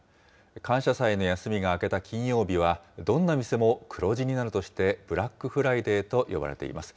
感謝祭の休みが明けた金曜日は、どんな店も黒字になるとして、ブラックフライデーと呼ばれています。